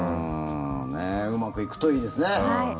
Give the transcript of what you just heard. うまくいくといいですね。